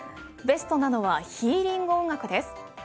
ベストなのはヒーリング音楽です。